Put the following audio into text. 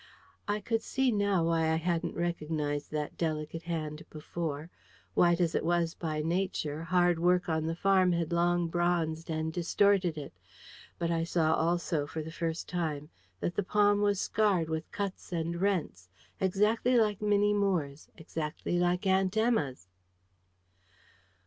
I could see now why I hadn't recognised that delicate hand before: white as it was by nature, hard work on the farm had long bronzed and distorted it. But I saw also, for the first time, that the palm was scarred with cuts and rents exactly like Minnie Moore's, exactly like Aunt Emma's.